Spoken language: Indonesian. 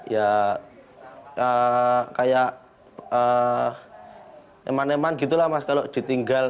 ya kayak emang emang gitu lah mas kalau ditinggal